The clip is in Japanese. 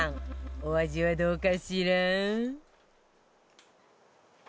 お味は、どうかしら？